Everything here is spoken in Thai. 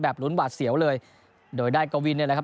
แบบหลุ้นหวาดเสี่ยวเลยโดยได้เกาวินเนี่ยแหละครับ